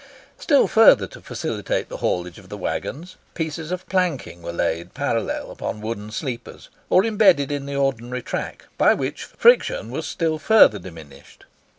Still further to facilitate the haulage of the waggons, pieces of planking were laid parallel upon wooden sleepers, or imbedded in the ordinary track, by which friction was still further diminished.